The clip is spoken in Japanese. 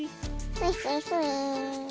スイスイスイー。